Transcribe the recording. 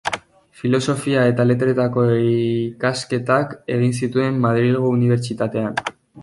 Filosofia eta letretako ikasketak egin zituen Madrilgo Unibertsitatean.